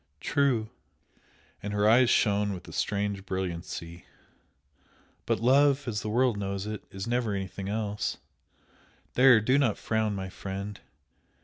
"True!" and her eyes shone with a strange brilliancy "But love as the world knows it is never anything else! There, do not frown, my friend!